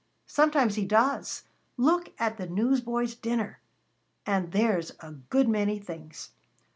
"Sometimes He does. Look at the newsboys' dinner! And there's a good many things."